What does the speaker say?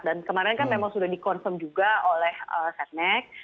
dan kemarin memang sudah di confirm juga oleh satnec